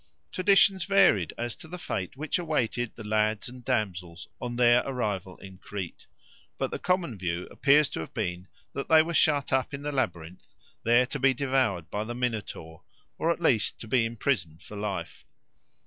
Traditions varied as to the fate which awaited the lads and damsels on their arrival in Crete; but the common view appears to have been that they were shut up in the labyrinth, there to be devoured by the Minotaur, or at least to be imprisoned for life.